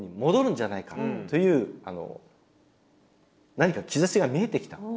何か兆しが見えてきた。